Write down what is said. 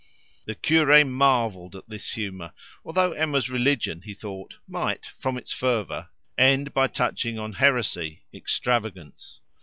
The cure marvelled at this humour, although Emma's religion, he thought, might, from its fervour, end by touching on heresy, extravagance.